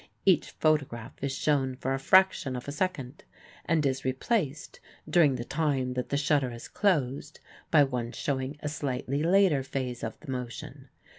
Each photograph is shown for a fraction of a second, and is replaced, during the time that the shutter is closed, by one showing a slightly later phase of the motion.